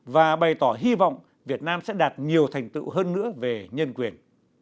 và bày tỏ hy vọng việt nam sẽ đạt nhiều thành tựu hơn nữa về nhân quyền